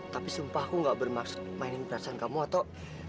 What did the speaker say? tapi sumpah aku gak bermaksud mainin perasaan kamu atau